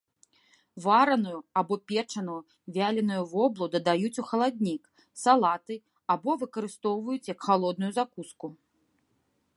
Вараную або печаную вяленую воблу дадаюць у халаднік, салаты або выкарыстоўваюць як халодную закуску.